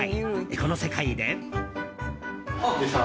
この世界で。